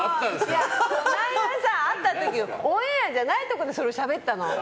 この間、会った時オンエアじゃないところでそれしゃべったの。